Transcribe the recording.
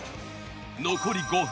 残り５分。